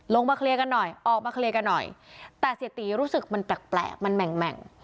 ลงมาเคลียร์กันหน่อยออกมาเคลียร์กันหน่อยแต่เสียตีรู้สึกมันแปลกมันแหม่ง